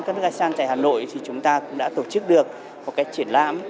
các nước asean tại hà nội thì chúng ta cũng đã tổ chức được một cái triển lãm